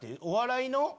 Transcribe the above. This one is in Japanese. お笑いの。